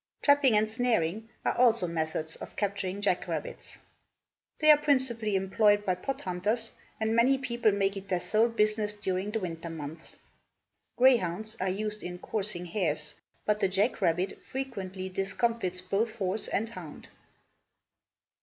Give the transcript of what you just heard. Trapping and snaring are also methods of capturing jack rabbits. They are principally employed by pot hunters, and many people make it their sole business during the winter months. Greyhounds are used in coursing hares, but the jack rabbit frequently discomfits both horse and hound.